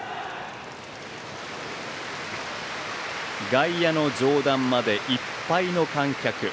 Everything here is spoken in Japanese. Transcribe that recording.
外野の上段までいっぱいの観客。